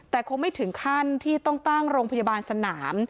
แต่คงไม่ถึงขั้นที่ต้องตั้งโรงพยาบาลสนาม